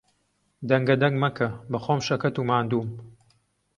دەنگەدەنگ مەکە، بەخۆم شەکەت و ماندووم.